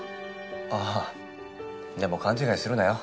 ああでも勘違いするなよ。